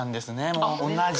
もう同じ！